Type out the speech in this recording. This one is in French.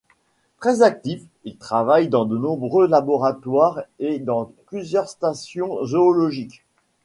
Très actif, il travaille dans de nombreux laboratoires et dans plusieurs stations zoologiques.